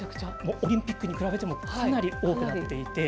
オリンピックに比べてもかなり多くなっていて。